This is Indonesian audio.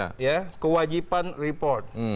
untuk ya kewajiban report